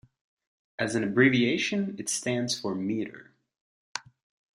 As an abbreviation, it stands for metre.